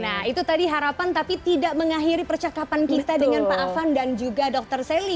nah itu tadi harapan tapi tidak mengakhiri percakapan kita dengan pak afan dan juga dr sally